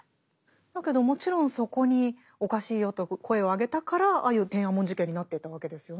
だけどもちろんそこにおかしいよと声を上げたからああいう天安門事件になっていったわけですよね。